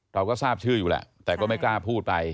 เราก็ทราบชื่ออยู่แหละแต่ก็ไม่กล้าพูดไป